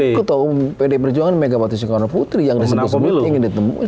itu tahu pd perjuangan megapartisi koronaputri yang disini sebut ingin ditemui